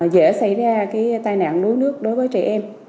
dễ xảy ra tai nạn đuối nước đối với trẻ em